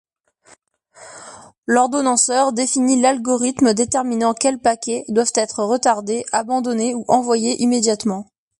L'ordonnanceur définit l'algorithme déterminant quels paquets doivent être retardés, abandonnés ou envoyés immédiatement.